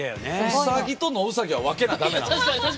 ウサギとノウサギは分けな駄目なんですか？